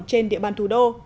trên địa bàn thủ đô